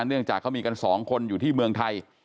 เนื่องจากเขามีกัน๒คนอยู่ที่เมืองไทย